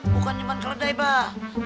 bukan cuman keledai pak